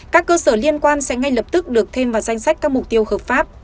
các cơ sở liên quan sẽ ngay lập tức được thêm vào danh sách các mục tiêu hợp pháp